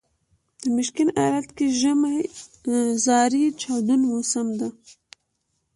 د میشیګن ایالت کې ژمی زارې چاودون موسم دی.